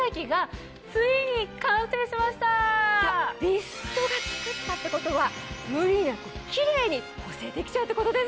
『美ＳＴ』が作ったってことは無理なくキレイに補整できちゃうってことですか。